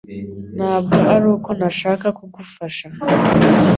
Ntabwo ari uko ntashaka kugufasha.